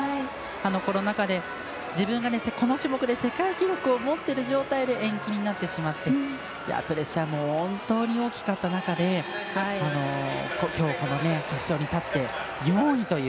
コロナ禍で自分がこの種目で世界記録を持っている状態で延期になってしまってプレッシャーも本当に大きかった中できょう、この決勝に立って４位という。